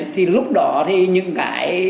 thì lúc đó thì những cái